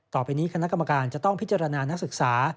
ต่อไปนี้คณะกรรมการจะต้องพิจารณานักศึกษา